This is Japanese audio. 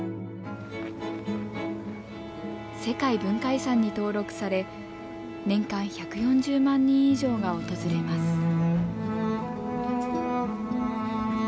世界文化遺産に登録され年間１４０万人以上が訪れます。